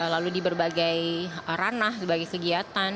lalu di berbagai ranah berbagai kegiatan